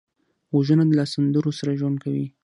غوږونه له سندرو سره ژوند کوي